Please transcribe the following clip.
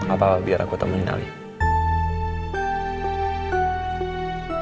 apa apa biar aku temuin alia